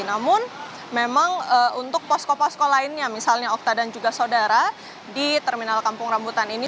namun memang untuk posko posko lainnya misalnya okta dan juga saudara di terminal kampung rambutan ini